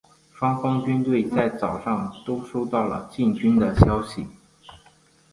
双方的军队在早上都收到进军的消息。